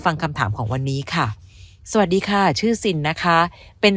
ฟังคำถามของวันนี้ค่ะสวัสดีค่ะชื่อซินนะคะเป็น